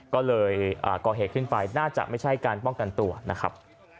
ก็เลยก่อเหตุขึ้นไปน่าจะไม่ใช่การป้องกันตัวนะครับ